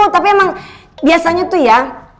tapi emang biasanya tuh ya